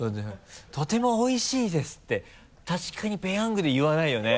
「とてもおいしいです」って確かに「ペヤング」で言わないよね？